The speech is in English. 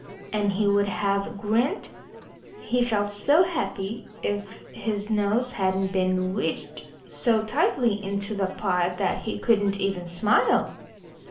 And he would have grinned he felt so happy if his nose hadn't been wedged so tightly into the pot that he couldn't even smile.